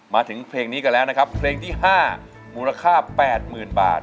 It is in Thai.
มาถึงเพลงนี้กันแล้วนะครับเพลงที่๕มูลค่า๘๐๐๐บาท